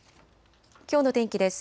きょうの天気です。